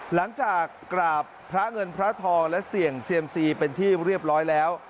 หลังจากกราบพระเงินพระทองและเสี่ยงเซียมซีเป็นที่เรียบร้อยแล้ว